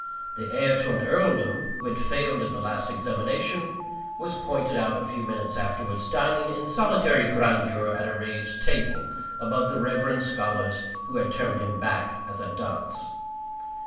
The heir to an Earldom, who had failed at the last examination, was pointed out a few minutes afterwards, dining in solitary grandeur at a raised table, above the reverend scholars who had turned him back as a dunce.